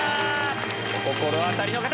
お心当たりの方！